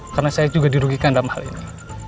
karena saya juga dirugikan dalam hal ini